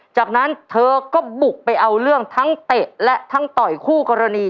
จากนั้นเธอก็บุกไปเอาเรื่องทั้งเตะและทั้งต่อยคู่กรณี